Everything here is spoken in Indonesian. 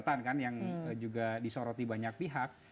catatan kan yang juga disorot di banyak pihak